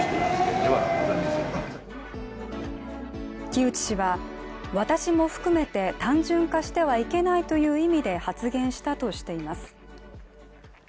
城内氏は、私も含めて単純化してはいけないという意味で発言したとしています。